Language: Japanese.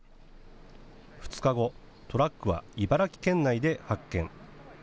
２日後、トラックは茨城県内で発見。